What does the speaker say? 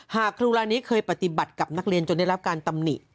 ครูลายนี้เคยปฏิบัติกับนักเรียนจนได้รับการตำหนิ